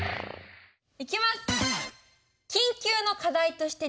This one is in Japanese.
いきます！